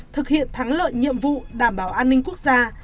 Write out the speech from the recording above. thực hiện thắng lợi nhiệm vụ đảm bảo an ninh quốc gia